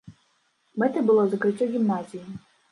Мэтай было закрыццё гімназіі.